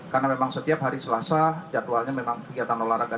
karena memang setiap hari selasa jadwalnya memang kegiatan olahraga